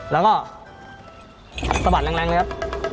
แล้วก็สะบัดแรงเลยครับ